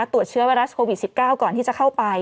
ตรวจเชื้อไวรัสโควิด๑๙ก่อนที่จะเข้าไป